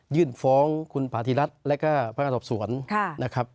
ยื่นฟ้องคุณพระธีรัชร์และก็พระศพสวน